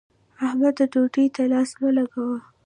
احمده! ډوډۍ ته لاس مه لګوه.